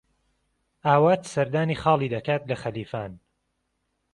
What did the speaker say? ئاوات سەردانی خاڵی دەکات لە خەلیفان.